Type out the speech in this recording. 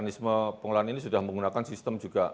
pembangunan ini sudah menggunakan sistem juga